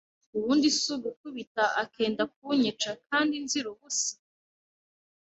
ubundi si ugukubita akenda kunyica kandi nzira ubusa.